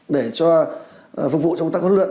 để cho phục vụ cho công tác huấn luyện